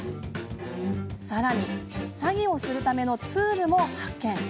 さらに詐欺をするためのツールも発見。